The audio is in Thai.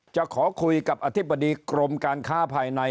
จะขอคุยกับอธิบดีกรมการค้าภายใน